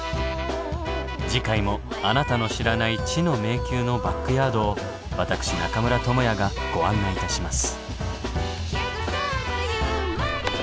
次回もあなたの知らない知の迷宮のバックヤードを私中村倫也がご案内いたします。